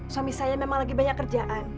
suami saya memang lagi banyak kerjaan